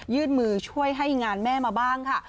ื่นมือช่วยให้งานแม่มาบ้างค่ะ